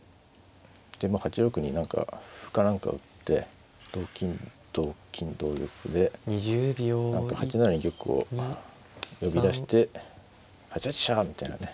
でまあ８六に何か歩か何か打って同金同金同玉で何か８七に玉を呼び出して８八飛車みたいなね。